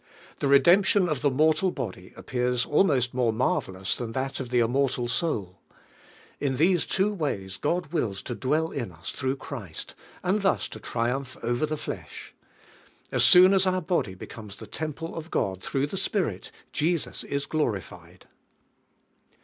The re demption of the mortal body appcang al meet more marvelous than that of the im mortal soul. In these two ways God wills hi dwell in us through Christ, and thus to triumph over the flesh. As soon as (iur hotly becomes the temple of God Ihrough the Spirit, Jesus is glorified.